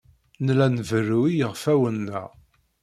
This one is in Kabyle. Nella nberru i yiɣfawen-nneɣ.